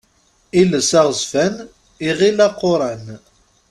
Iles aɣezzfan, iɣil aquran.